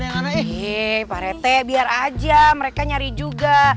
iya pak reti biar aja mereka nyari juga